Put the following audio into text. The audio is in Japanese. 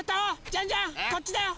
ジャンジャンこっちだよ！